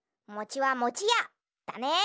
「もちはもちや」だね。